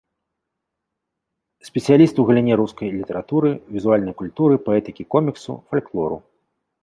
Спецыяліст у галіне рускай літаратуры, візуальнай культуры, паэтыкі коміксу, фальклору.